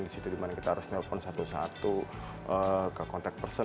di situ dimana kita harus nelpon satu satu ke kontak person